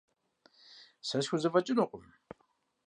Сэ схузэфэкӏынукъым.